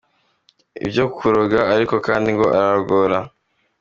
ibyo kuroga, ariko kandi ngo ararogora.